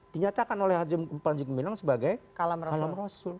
dinyatakan oleh haji mubalajik milang sebagai kalam rasul